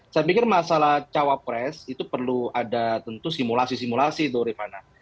saya pikir masalah cawapres itu perlu ada tentu simulasi simulasi itu rifana